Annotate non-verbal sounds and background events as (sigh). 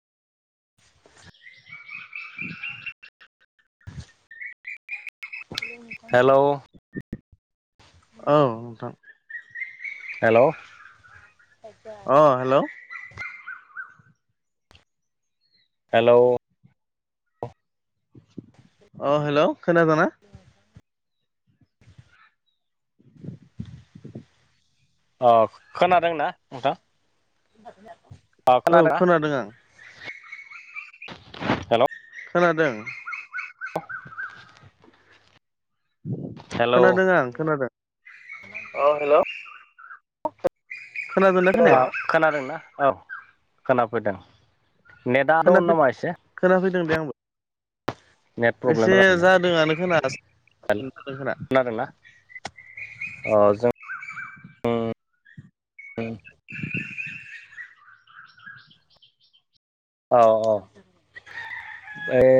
(inaudible) हेल' औ नोंथां हेल' अ हेल' हेलौ अ हेल' खोनादों ना? अ खोनादोंनाा नोंथां? औ खोनादों आं। हेल' खोनादों। द हेल' औ खोनादों आं खोनादों हेल' खोनादोंना खोनाया (unintelligible) खोनादोंना औ खोनाफैदों नेटआ दं नामा खोनाफैदों एसे? खोनाफैदों दे आंबो। नेट प्रब्लेम एसे जादोंआनो खोना (unintelligible) खोना खोनादोंना? अ जों जों (unintelligible) औ औ एफाय